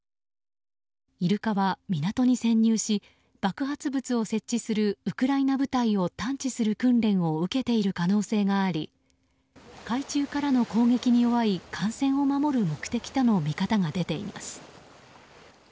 イルカは港に潜入し爆発物を設置するウクライナ部隊を探知する訓練を受けている可能性があり海中からの攻撃に弱い艦船を守る目的との見方が出ています。